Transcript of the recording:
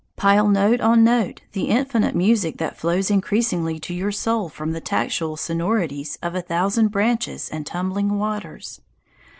Pile note on note the infinite music that flows increasingly to your soul from the tactual sonorities of a thousand branches and tumbling waters.